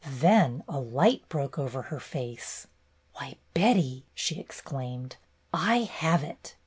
Then a light broke over her face. "Why, Betty," she exclaimed, "I have it!